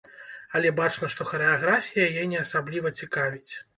Але бачна, што харэаграфія яе не асабліва цікавіць.